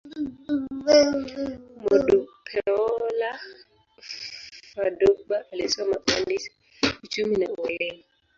Modupeola Fadugba alisoma uhandisi, uchumi, na ualimu.